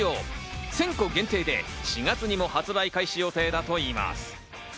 １０００個限定で４月にも発売開始予定だといいます。